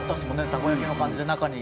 たこ焼きの感じで中に。